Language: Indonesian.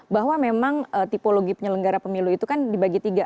bahwa memang tipologi penyelenggara pemilu itu kan dibagi tiga